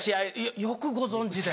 よくご存じで。